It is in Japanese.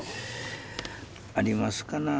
ありますかな。